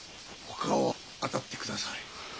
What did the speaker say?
ほかを当たってくだされ。